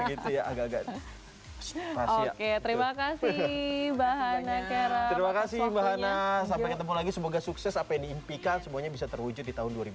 gitu ya agak agak terima kasih bahan terima kasih bahan lagi semoga sukses semuanya bisa terwujud